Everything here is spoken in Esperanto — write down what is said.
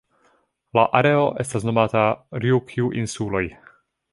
La areo estas nomata Rjukju-insuloj.